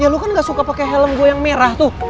ya lu kan gak suka pakai helm gue yang merah tuh